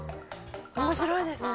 面白いですね。